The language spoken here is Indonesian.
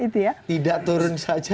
tidak turun saja